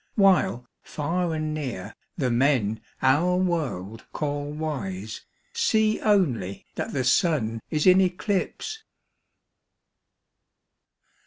While far and near the men our world call wise See only that the Sun is in eclipse.